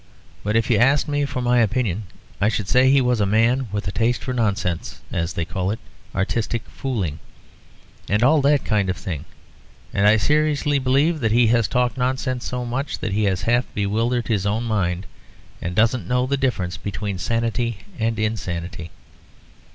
"But if you asked me for my opinion, I should say he was a man with a taste for nonsense, as they call it artistic fooling, and all that kind of thing. And I seriously believe that he has talked nonsense so much that he has half bewildered his own mind and doesn't know the difference between sanity and insanity.